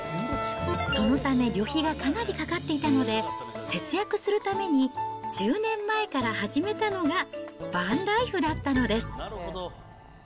そのため、旅費がかなりかかっていたので、節約するために、１０年前から始めたのがバンライフだったのです。